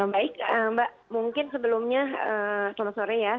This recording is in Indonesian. baik mbak mungkin sebelumnya selamat sore ya